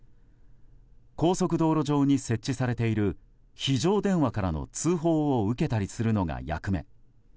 高速道路上に設置されている非常電話からの通報を受けたりするのが役目。